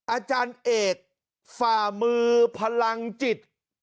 อาจารย์เอกฝ่ามือพลังจิต